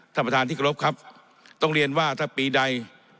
ท่านประธานที่กรบครับต้องเรียนว่าถ้าปีใด